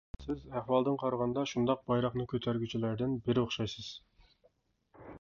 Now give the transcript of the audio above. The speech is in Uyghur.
سىز ئەھۋالدىن قارىغاندا شۇنداق بايراقنى كۆتۈرگۈچىلەردىن بىرى ئوخشايسىز.